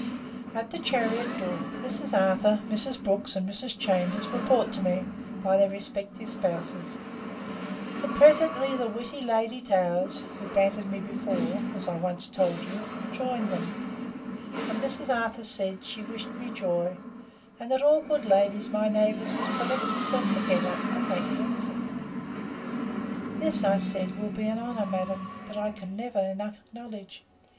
At the chariot door, Mrs. Arthur, Mrs. Brooks, and Mrs. Chambers, were brought to me, by their respective spouses; and presently the witty Lady Towers, who bantered me before, (as I once told you,) joined them; and Mrs. Arthur said, she wished me joy; and that all the good ladies, my neighbours, would collect themselves together, and make me a visit. This, said I, will be an honour, madam, that I can never enough acknowledge.